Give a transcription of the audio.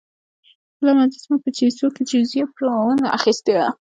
بله مجسمه په چیسوک کې جوزیا براون اخیستې ده.